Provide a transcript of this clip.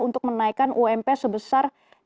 untuk menaikkan ump sebesar